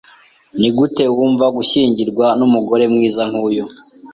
Nigute wumva gushyingirwa numugore mwiza nkuyu?